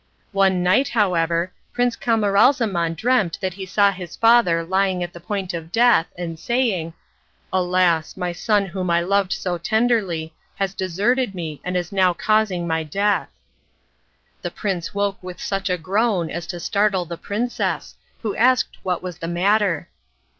One night, however, Prince Camaralzaman dreamt that he saw his father lying at the point of death, and saying: "Alas! my son whom I loved so tenderly, has deserted me and is now causing my death." The prince woke with such a groan as to startle the princess, who asked what was the matter.